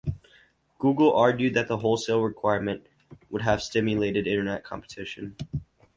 Google argued that the wholesale requirement would have stimulated internet competition.